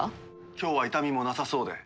今日は痛みもなさそうで。